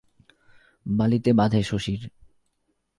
বলিতে বাঁধে শশীর।